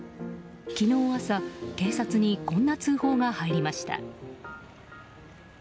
昨日朝警察にこんな通報が入りました。